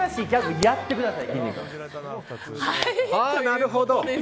なるほど。